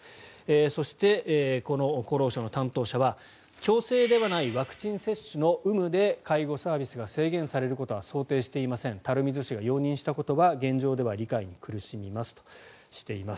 そしてこの厚労省の担当者は強制ではないワクチン接種の有無で介護サービスが制限されることは想定していません垂水市が容認したことは現状では理解に苦しみますとしています。